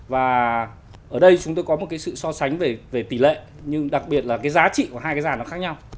và ở đây chúng tôi có một cái sự so sánh về tỷ lệ nhưng đặc biệt là cái giá trị của hai cái ràn nó khác nhau